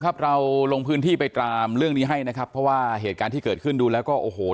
ครับเราลงพื้นที่ไปตามเรื่องนี้ให้นะครับเพราะว่าเหตุการณ์ที่เกิดขึ้นดูแล้วก็โอ้โห